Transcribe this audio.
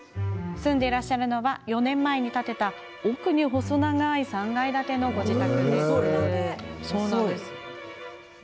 住んでいるのは４年前に建てた奥に細長い３階建てのご自宅。